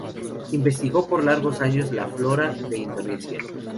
Investigó por largos años la flora de Indonesia.